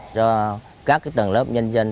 cho các tầng lớp nhân dân